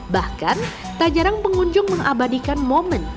bahkan tak jarang pengunjung mengabadikan menangkap penjara